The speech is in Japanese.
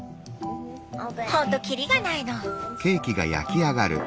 ほんときりがないの。